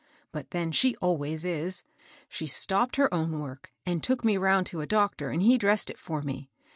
But then, she always is. She stopped her own work and took me round to a doctor, and he dressed it for me.